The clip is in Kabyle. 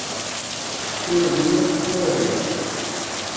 Ur wwiɣ ur rriɣ.